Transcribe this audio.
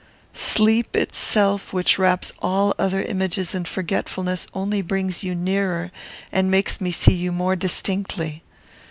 Sleep itself, which wraps all other images in forgetfulness, only brings you nearer, and makes me see you more distinctly.